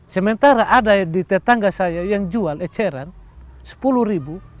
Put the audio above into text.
sementara ada di tetangga saya yang jual eceran sepuluh ribu